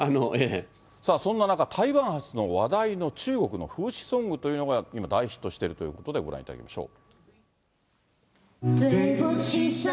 さあそんな中、台湾発の話題の中国の風刺ソングというのが今大ヒットしているということで、ご覧いただきましょう。